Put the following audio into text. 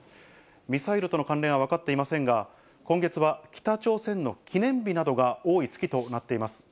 ミサイルとの関連は分かっていませんが、今月は北朝鮮の記念日などが多い月となっています。